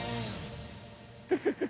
フフフ。